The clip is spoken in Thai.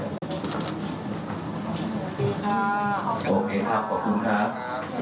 เอาค่ะโอเคค่ะขอบคุณครับ